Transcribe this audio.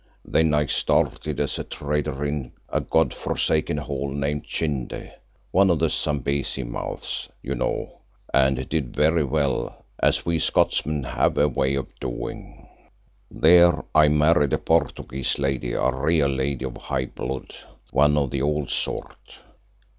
Then I started as a trader in a God forsaken hole named Chinde, one of the Zambesi mouths, you know, and did very well, as we Scotchmen have a way of doing. "There I married a Portuguese lady, a real lady of high blood, one of the old sort.